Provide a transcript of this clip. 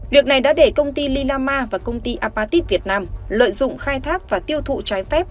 việc này đã để công ty linama và công ty apatit việt nam lợi dụng khai thác và tiêu thụ trái phép